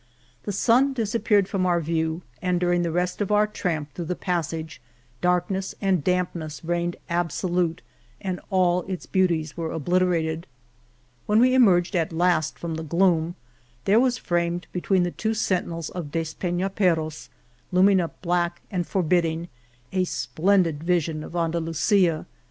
The sun disappeared from our view, and during the rest of our tramp through the passage, darkness and dampness reigned absolute and all its beauties were obliter ated. When we emerged at last from the gloom, there was framed between the two sentinels of Despenaperros, looming up black and for bidding, a splendid vision of Andalusia.